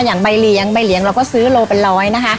อย่างใบเลี้ยงใบเลี้ยงเราก็ซื้อโลเป็นร้อยนะคะ